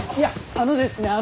あのですね